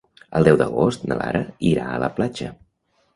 El deu d'agost na Lara irà a la platja.